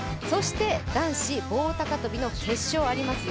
男子棒高跳の決勝がありますよ。